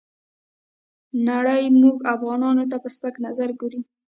نړۍ موږ افغانانو ته په سپک نظر ګوري.